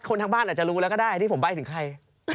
ทางบ้านอาจจะรู้แล้วก็ได้ที่ผมใบ้ถึงใคร